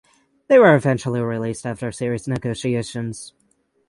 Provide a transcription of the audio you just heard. They were eventually released after series negotiations.